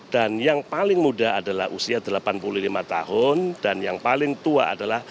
dan yang paling muda adalah usia delapan puluh lima tahun dan yang paling tua adalah satu ratus sembilan belas tahun